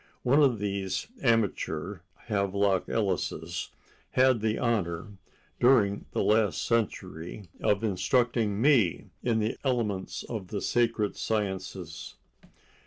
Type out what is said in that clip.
One of these amateur Havelock Ellises had the honor, during the last century, of instructing me in the elements of the sacred sciences.